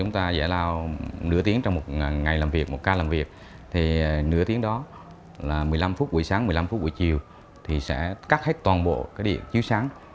tăng bộ điện chiếu sáng